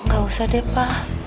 gak usah deh pa